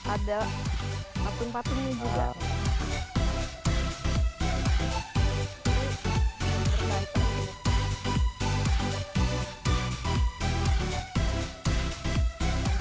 ada apun apun ini juga